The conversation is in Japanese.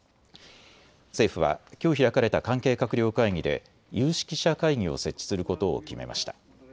政府はきょう開かれた関係閣僚会議で有識者会議を設置することを決めました。